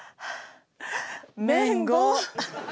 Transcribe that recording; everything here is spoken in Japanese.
めんご。